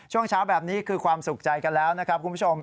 ช่วงเช้าแบบนี้คือความสุขใจกันแล้วนะครับคุณผู้ชม